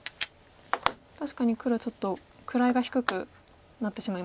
確かに黒ちょっと位が低くなってしまいますね。